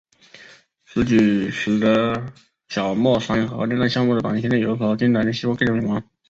此举使得小墨山核电站项目在短期内有所进展的希望更加渺茫。